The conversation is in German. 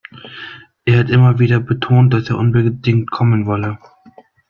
Er hat immer wieder betont, dass er unbedingt kommen wolle.